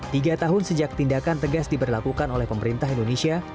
tiga tahun sejak tindakan tegas diberlakukan oleh pemerintah indonesia